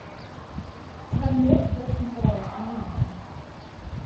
I have no objections at all to meeting them.